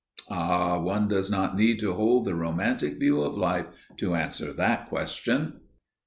Ah, one does not need to hold the romantic view of life to answer that question!